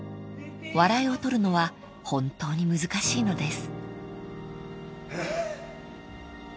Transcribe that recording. ［笑いを取るのは本当に難しいのです］